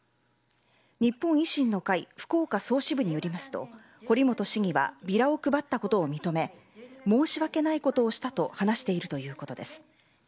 日本維新の会福岡総支部によりますと堀本市議はビラを配ったことを認め申し訳ないことをしたと話しているということです。